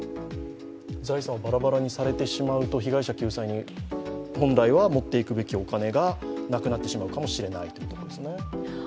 財産をバラバラにされてしまうと被害者救済に本来は持っていくべきお金がなくなってしまうかもしれないということですね。